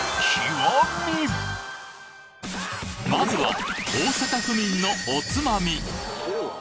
まずは大阪府民のおつまみ